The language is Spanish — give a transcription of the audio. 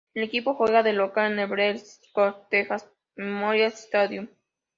El equipo juega de local en el Darrell K. Royal-Texas Memorial Stadium.